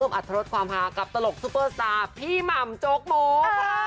อัตรสความฮากับตลกซุปเปอร์สตาร์พี่หม่ำโจ๊กโมก